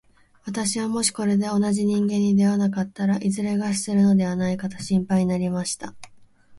私はもしこれで同じ人間に出会わなかったら、いずれ餓死するのではないかと心配になりました。